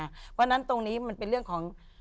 เพราะฉะนั้นตรงนี้มันเป็นเรื่องของ